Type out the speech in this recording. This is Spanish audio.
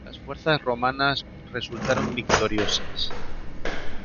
Las fuerzas romanas resultaron victoriosas.